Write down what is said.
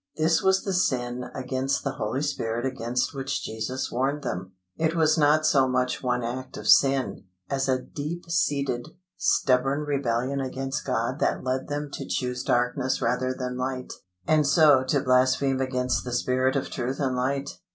This was the sin against the Holy Spirit against which Jesus warned them. It was not so much one act of sin, as a deep seated, stubborn rebellion against God that led them to choose darkness rather than light, and so to blaspheme against the Spirit of truth and light.